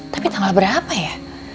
tapi tanggal berapa ya